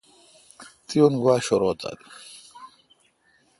تی اون گوا شرو تھال۔